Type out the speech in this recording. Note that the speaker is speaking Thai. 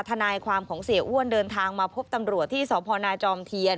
ทนายความของเสียอ้วนเดินทางมาพบตำรวจที่สพนาจอมเทียน